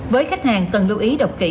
với khách hàng cần lưu ý độc kỹ